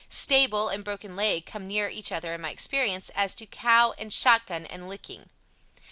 "Stable" and "broken leg" come near each other in my experience, as do "cow" and "shot gun" and "licking."